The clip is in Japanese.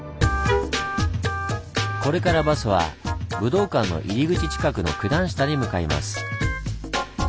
これからバスは武道館の入り口近くの九段下に向かいます。